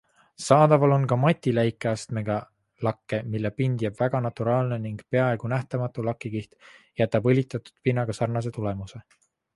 Saadaval on ka mati läikeastmega lakke, mille pind jääb väga naturaalne ning peaaegu nähtamatu lakikiht jätab õlitatud pinnaga sarnase tulemuse.